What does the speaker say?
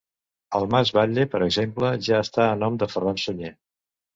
El mas Batlle, per exemple, ja està a nom de Ferran Sunyer.